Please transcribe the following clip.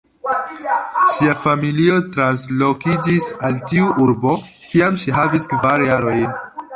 Ŝia familio translokiĝis al tiu urbo kiam ŝi havis kvar jarojn.